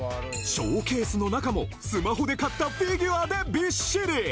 ショーケースの中もスマホで買ったフィギュアでびっしり！